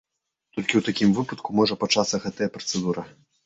Толькі ў такім выпадку можа пачацца гэтая працэдура.